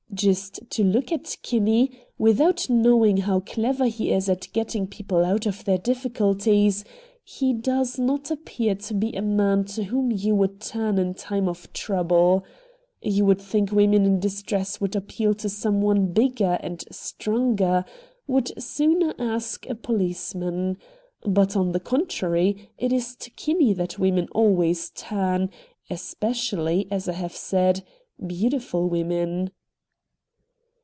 Just to look at Kinney, without knowing how clever he is at getting people out of their difficulties, he does not appear to be a man to whom you would turn in time of trouble. You would think women in distress would appeal to some one bigger and stronger; would sooner ask a policeman. But, on the contrary, it is to Kinney that women always run, especially, as I have said, beautiful women.